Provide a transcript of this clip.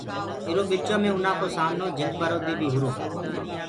اِرو ٻِچو مي اُنآ ڪو سامنو جھنگ برو دي بي هُرو۔